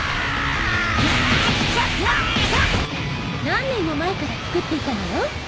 何年も前から造っていたのよ。